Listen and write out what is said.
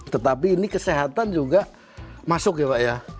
tetapi ini kesehatan juga masuk ya pak ya